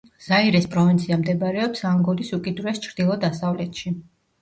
ზაირეს პროვინცია მდებარეობს ანგოლის უკიდურეს ჩრდილო-დასავლეთში.